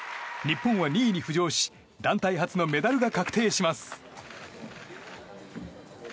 日本は２位に浮上し団体初のメダルが確定します。